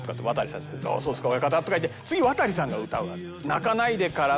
「そうですか親方」とか言って次渡さんが歌うのよ。